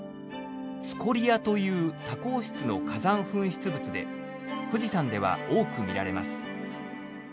「スコリア」という多孔質の火山噴出物で富士山では多く見られます。